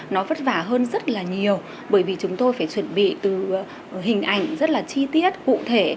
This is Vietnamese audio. nó vất vả hơn rất là nhiều bởi vì chúng tôi phải chuẩn bị từ hình ảnh rất là chi tiết cụ thể